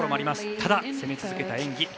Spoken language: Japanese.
ただ、攻め続けた演技。